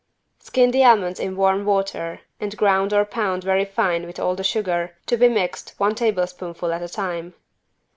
Skin the almonds in warm water and ground or pound very fine with all the sugar, to be mixed one tablespoonful at a time.